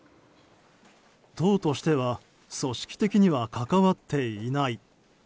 党としては組織的には関わっていない。